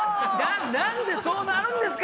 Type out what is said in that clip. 何でそうなるんですか！